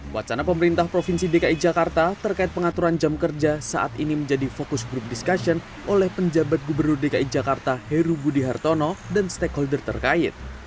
wacana pemerintah provinsi dki jakarta terkait pengaturan jam kerja saat ini menjadi fokus grup diskusi oleh penjabat gubernur dki jakarta heru budi hartono dan stakeholder terkait